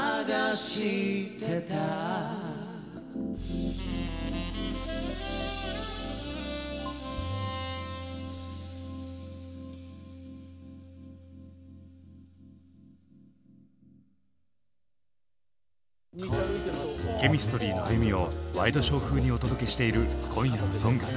ＣＨＥＭＩＳＴＲＹの歩みをワイドショー風にお届けしている今夜の「ＳＯＮＧＳ」。